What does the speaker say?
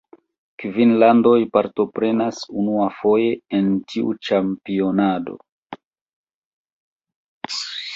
Kvin landoj partoprenas unuafoje en tiu ĉampionado.